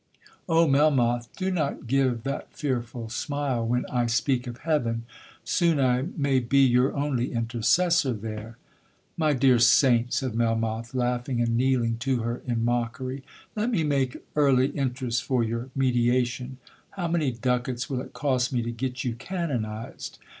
Oh! Melmoth, do not give that fearful smile when I speak of heaven—soon I may be your only intercessor there.' 'My dear saint,' said Melmoth, laughing and kneeling to her in mockery, 'let me make early interest for your mediation—how many ducats will it cost me to get you canonized?